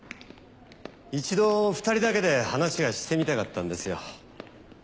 一度２人だけで話がしてみたかったんですよ。